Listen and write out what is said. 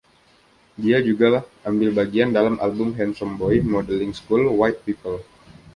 Dia juga ambil bagian dalam album Handsome Boy Modeling School, "White People".